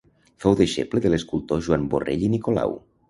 Fou deixeble de l'escultor Joan Borrell i Nicolau.